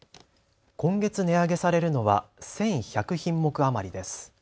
今月値上げされるのは１１００品目余りです。